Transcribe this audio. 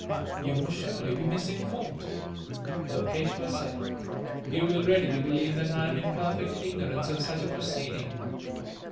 "You must surely be misinformed," the Peishwa said. "You will readily believe that I am in perfect ignorance of such a proceeding."